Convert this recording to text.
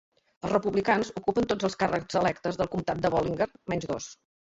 Els republicans ocupen tots els càrrecs electes del comtat de Bollinger menys dos.